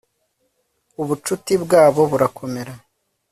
ubucuti bwabo burakomera